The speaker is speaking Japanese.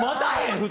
普通。